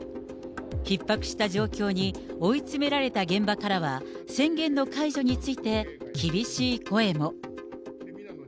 ひっ迫した状況に追い詰められた現場からは、宣言の解除について、厳しい声も。